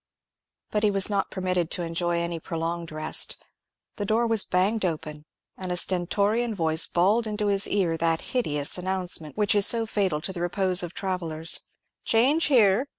But he was not permitted to enjoy any prolonged rest. The door was banged open, and a stentorian voice bawled into his ear that hideous announcement which is so fatal to the repose of travellers, "Change here!"